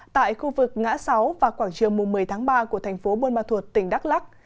tại khu vực ngã sáu và quảng trường một mươi tháng ba của thành phố buôn ma thuột tỉnh đắk lắc